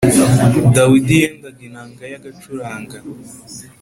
Dawidi yendaga inanga ye agacuranga